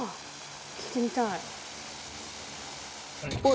聞いてみたい。